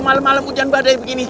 malem malem hujan badai begini